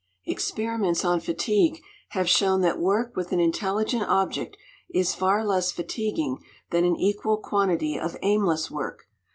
Experiments on fatigue have shown that work with an intelligent object is far less fatiguing than an equal quantity of aimless work.